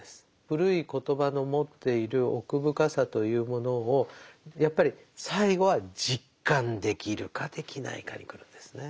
古い言葉の持っている奥深さというものをやっぱり最後は実感できるかできないかにくるんですね。